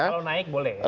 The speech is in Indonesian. kalau naik boleh